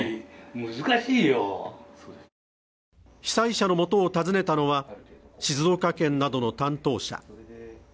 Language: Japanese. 被災者の元を訪ねたのは、静岡県などの担当者。